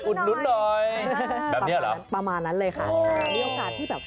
แบบนี้หรือเปล่าประมาณนั้นเลยค่ะมีโอกาสที่แบบ